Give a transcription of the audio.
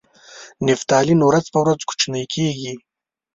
نفتالین ورځ په ورځ کوچنۍ کیږي.